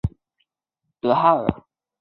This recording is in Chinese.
她的父亲是德哈尔。